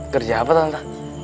kerja apa tante